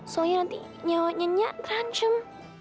soalnya nanti nyawanya nyak terancam